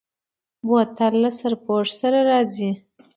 بوتل له سرپوښ سره راځي.